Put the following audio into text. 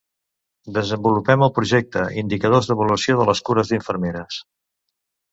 Desenvolupem el projecte "Indicadors d'avaluació de les cures d'infermeres"